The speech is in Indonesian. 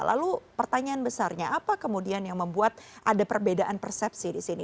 lalu pertanyaan besarnya apa kemudian yang membuat ada perbedaan persepsi di sini